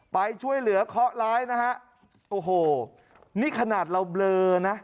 ไปช่วยเหลือเคาะร้ายนะฮะโอ้โหนี่ขนาดเราเบลอนะ